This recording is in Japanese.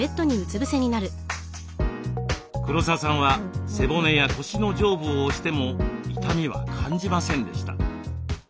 黒沢さんは背骨や腰の上部を押しても痛みは感じませんでした。